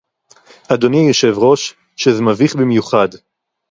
אדוני היושב-ראש, שזה מביך במיוחד